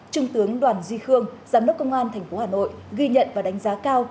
trung tướng đoàn di khương giám đốc công an tp hcm ghi nhận và đánh giá cao